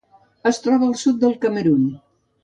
Es troba al sud del Camerun.